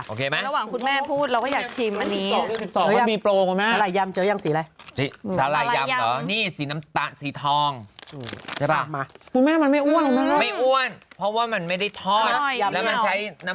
โอเคไหมระหว่างคุณแม่พูดเราก็อยากชิม